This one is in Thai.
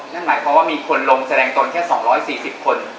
นั่นหมายความว่ามีคนลงแสดงตนแค่๒๔๐คน